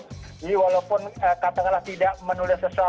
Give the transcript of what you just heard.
jadi walaupun katakanlah tidak menulis sesuatu